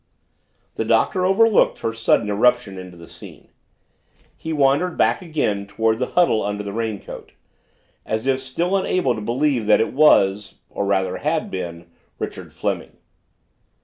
The Doctor overlooked her sudden eruption into the scene. He wandered back again toward the huddle under the raincoat, as if still unable to believe that it was or rather had been Richard Fleming.